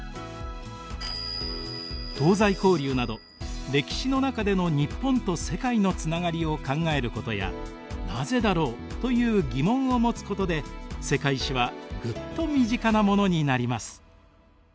東西交流など歴史の中での日本と世界のつながりを考えることや「なぜだろう？」という疑問を持つことで「世界史」はぐっと身近なものになります。